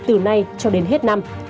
từ nay cho đến hết năm